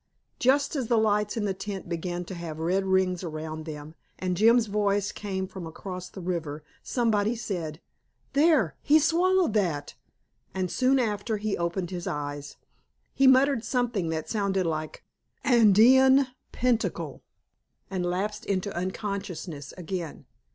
Just as the lights in the tent began to have red rings around them and Jim's voice came from away across the river, somebody said, "There, he swallowed that," and soon after, he opened his eyes. He muttered something that sounded like "Andean pinnacle" and lapsed into unconsciousness again.